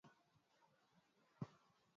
amri ilitolewa kuokoa abiria wanawake na watoto